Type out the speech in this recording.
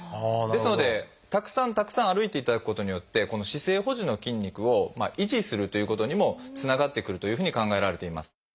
ですのでたくさんたくさん歩いていただくことによってこの姿勢保持の筋肉を維持するということにもつながってくるというふうに考えられています。